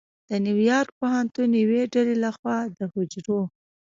د نیویارک پوهنتون یوې ډلې لخوا د حجرو